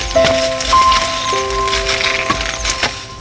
ครับ